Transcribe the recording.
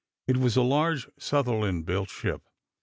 It was a large Sunderland built ship.